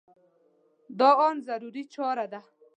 دا ان ضروري چاره ده.